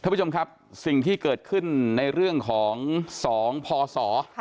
ท่านผู้ชมครับสิ่งที่เกิดขึ้นในเรื่องของ๒พศ